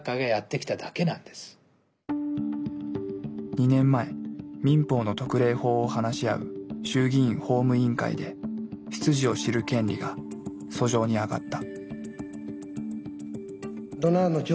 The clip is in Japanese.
２年前民法の特例法を話し合う衆議院法務委員会で「出自を知る権利」が俎上にあがった。